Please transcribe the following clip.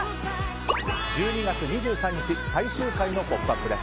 １２月２３日最終回の「ポップＵＰ！」です。